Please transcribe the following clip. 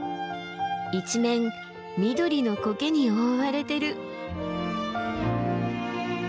一面緑のコケに覆われてる。